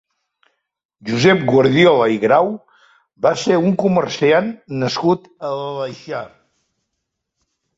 Josep Guardiola i Grau va ser un comerciant nascut a l'Aleixar.